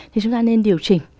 thì chúng ta nên điều chỉnh